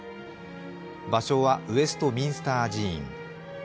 場所はウェストミンスター寺院。